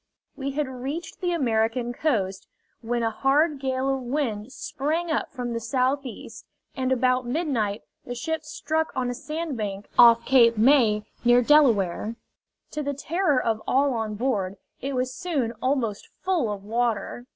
We had reached the American coast, when a hard gale of wind sprang up from the southeast, and about midnight the ship struck on a sandbank off Cape May, near Delaware. To the terror of all on board, it was soon almost full of water.